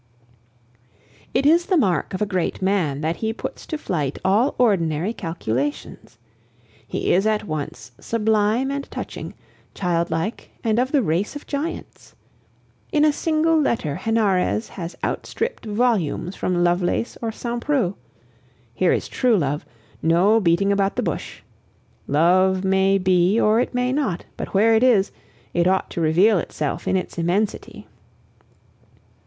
It is the mark of a great man that he puts to flight all ordinary calculations. He is at once sublime and touching, childlike and of the race of giants. In a single letter Henarez has outstripped volumes from Lovelace or Saint Preux. Here is true love, no beating about the bush. Love may be or it may not, but where it is, it ought to reveal itself in its immensity.